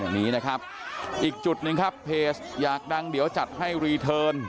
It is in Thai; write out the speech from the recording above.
นี่นะครับอีกจุดหนึ่งครับเพจอยากดังเดี๋ยวจัดให้รีเทิร์น